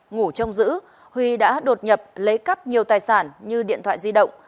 ngủ trông giữ huy đã đột nhập lấy cắp nhiều tài sản như điện thoại di động